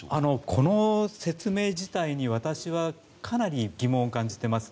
この説明自体に私はかなり疑問を感じています。